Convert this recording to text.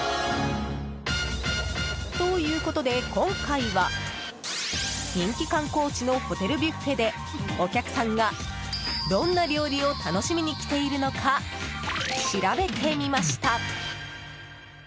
ということで、今回は人気観光地のホテルビュッフェでお客さんが、どんな料理を楽しみに来ているのか調べてみました。